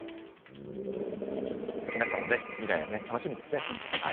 皆さんの未来が楽しみですね。